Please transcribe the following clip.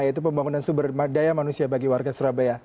yaitu pembangunan sumber daya manusia bagi warga surabaya